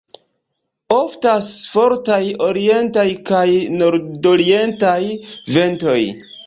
Oftas fortaj orientaj kaj nordorientaj ventoj.